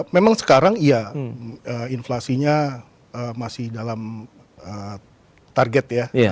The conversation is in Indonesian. memang sekarang iya inflasinya masih dalam target ya